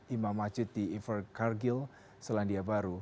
imam majid di inferkargil selandia baru